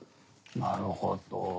なるほど。